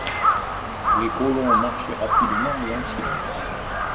Les colons marchaient rapidement et en silence